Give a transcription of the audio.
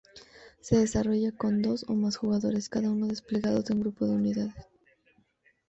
Se desarrolla con dos o más jugadores, cada uno desplegando un grupo de unidades.